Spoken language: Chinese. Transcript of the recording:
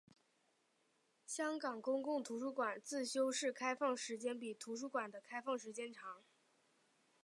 香港公共图书馆自修室开放时间比图书馆的开放时间长。